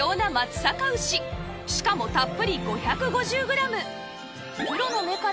しかもたっぷり５５０グラム